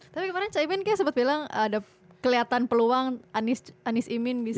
tapi kemarin cah ibin kayak sempat bilang ada kelihatan peluang anies imin bisa menang satu putaran